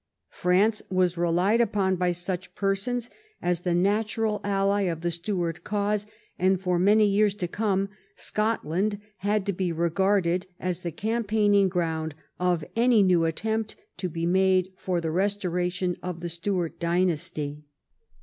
France was relied upon by such persons as the natural ally of the Stuart cause, and for many years to come Scotland had to be regarded as the campaigning ground of any new attempt to be made for the restora tion of the Stuart dynasty.